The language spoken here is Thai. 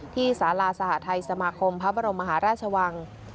สาราสหทัยสมาคมพระบรมมหาราชวัง